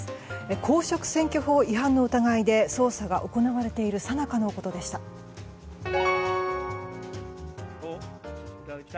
公職選挙法違反の疑いで捜査が行われているさなかのことでした。